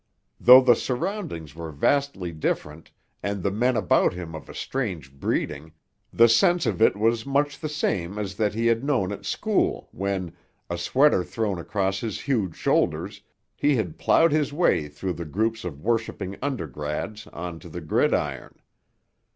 Though the surroundings were vastly different and the men about him of a strange breeding, the sense of it was much the same as that he had known at school when, a sweater thrown across his huge shoulders, he had ploughed his way through the groups of worshipping undergrads on to the gridiron.